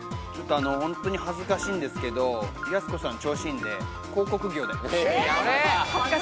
本当に恥ずかしいんですけれども、やす子さん、調子いいんで広告業で。